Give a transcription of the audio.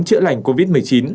chữa lành covid một mươi chín